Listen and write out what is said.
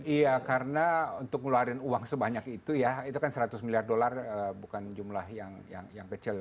iya karena untuk ngeluarin uang sebanyak itu ya itu kan seratus miliar dolar bukan jumlah yang kecil